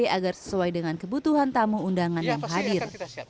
agar sesuai dengan kebutuhan tamu undangan yang hadir